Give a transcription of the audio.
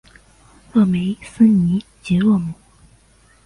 勒梅斯尼吉洛姆。